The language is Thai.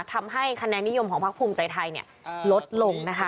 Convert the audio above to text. ทำให้คะแนนนิยมของพักภูมิใจไทยลดลงนะคะ